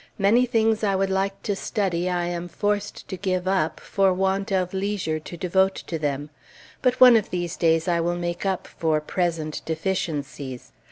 Many things I would like to study I am forced to give up, for want of leisure to devote to them. But one of these days, I will make up for present deficiencies.